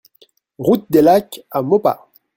Route des Lacs à Maupas